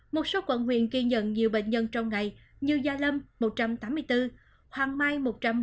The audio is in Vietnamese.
một số quận huyện ghi nhận nhiều bệnh nhân trong ngày như gia lâm một trăm tám mươi bốn hoàng mai một trăm bốn mươi